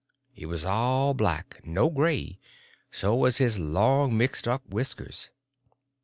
It was all black, no gray; so was his long, mixed up whiskers.